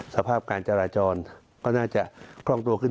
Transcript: สภาพการจราจรก็น่าจะคล่องตัวขึ้น